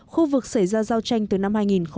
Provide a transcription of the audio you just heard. khu vực xảy ra giao tranh từ năm hai nghìn một mươi